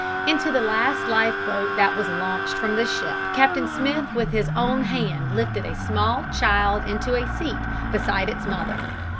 Into the last life boat that was launched from the ship Captain Smith with his own hand lifted a small child into a seat beside its mother.